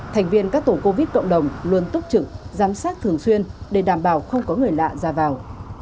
thành viên các tổ covid cộng đồng luôn túc trực giám sát thường xuyên để đảm bảo không có người lạ ra vào